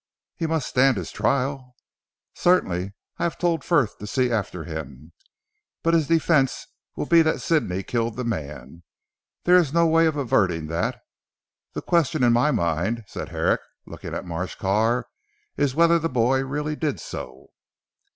"He must stand his trial?" "Certainly. I have told Frith to see after him. But his defence will be that Sidney killed the man. There is no way of averting that. The question in my mind," said Herrick looking at Marsh Carr "is, whether the boy really did do so."